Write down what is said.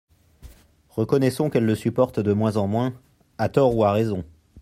Reconnaissons qu’elles le supportent de moins en moins, à tort ou à raison.